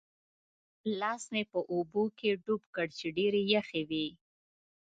لاس مې په اوبو کې ډوب کړ چې ډېرې یخې وې.